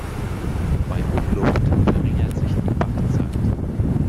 Bei Umluft verringert sich die Backzeit.